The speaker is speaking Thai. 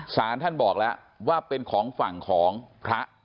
สารท่านบอกแล้วว่าเป็นของฝั่งของพระ